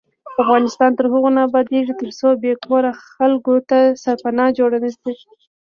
افغانستان تر هغو نه ابادیږي، ترڅو بې کوره خلکو ته سرپناه جوړه نشي.